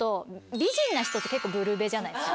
美人な人って結構ブルベじゃないですか？